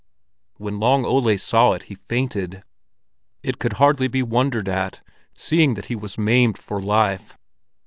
When Long Ole saw it, he fainted; it could hardly be wondered at, seeing that he was maimed for life.